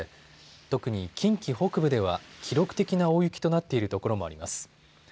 特に近畿北部では記録的な大雪となっているところもあります。